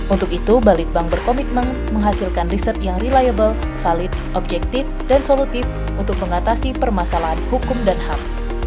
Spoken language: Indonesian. untuk itu balitbank berkomitmen menghasilkan riset yang reliable valid objektif dan solutif untuk mengatasi permasalahan hukum dan ham